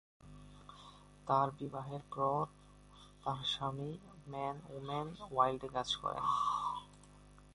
তার বিবাহের পর তিনি তার স্বামী ম্যান, ওম্যান, ওয়াইল্ডে কাজ করেন।